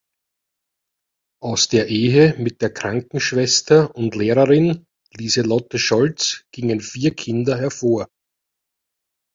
Aus der Ehe mit der Krankenschwester und Lehrerin Lieselotte Scholz gingen vier Kinder hervor.